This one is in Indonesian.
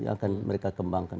yang akan mereka kembangkan